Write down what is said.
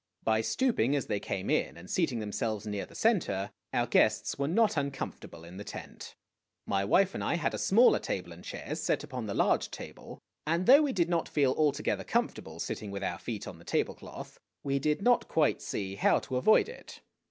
By stooping as they came in, and seating themselves near the center, our guests were not uncomfortable in the tent. 202 IMAGINOTIONS My wife and I had a smaller table and chairs set upon the large table, and though we did not feel altogether comfortable sitting with our feet on the table cloth, we did not quite see how to avoid it.